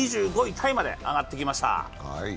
タイまで上がってきました。